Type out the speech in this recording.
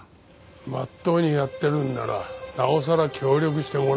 真っ当にやってるんならなおさら協力してもらわないと。